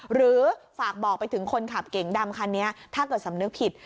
หรือฝากบอกไปถึงคนขับเก๋งดำคันนี้ถ้าเกิดสำนึกผิด